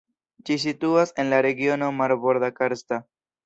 Ĝi situas en la Regiono Marborda-Karsta.